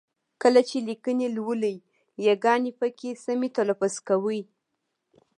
کله چې لیکني لولئ ی ګاني پکې سمې تلفظ کوئ!